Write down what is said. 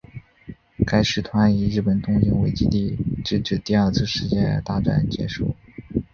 该师团以日本东京为基地直至第二次世界大战结束。